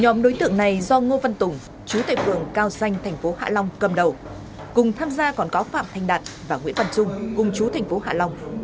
nhóm đối tượng này do ngô văn tùng chú tây phường cao danh tp hạ long cầm đầu cùng tham gia còn có phạm thanh đạt và nguyễn văn trung cùng chú tp hạ long